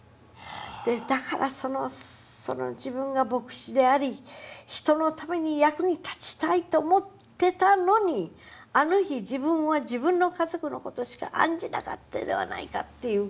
だからその自分が牧師であり人のために役に立ちたいと思ってたのにあの日自分は自分の家族の事しか案じなかったではないかという事で。